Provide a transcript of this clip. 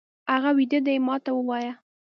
هغه ويده دی، ما ته ووايه!